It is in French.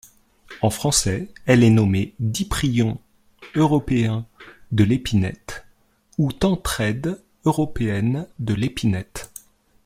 En français, elle est nommée diprion européen de l'épinette ou tenthrède européenne de l'épinette.